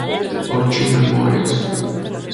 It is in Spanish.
Orchid Memories.